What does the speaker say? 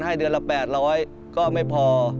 เดือนละ๘๐๐ก็ไม่พอ